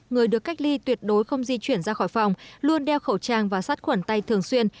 người được cách ly tuyệt đối không di chuyển ra khỏi phòng luôn đeo khẩu trang và sát khuẩn tay thường xuyên